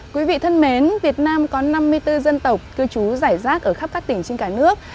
quý vị thân mến việt nam có năm mươi bốn dân tộc cư trú giải rác ở khắp các tỉnh trên cả nước